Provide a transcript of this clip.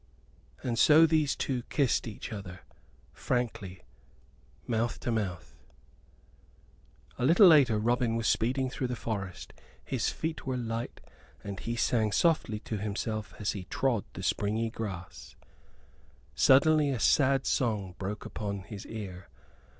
And so these two kissed each other frankly, mouth to mouth. A little later Robin was speeding through the forest. His feet were light, and he sang softly to himself as he trod the springy grass. Suddenly a sad song broke upon his ear.